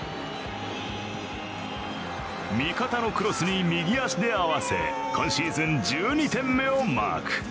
味方のクロスに右足で合わせ今シーズン１２点目をマーク。